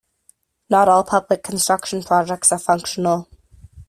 Not all public construction projects are functional.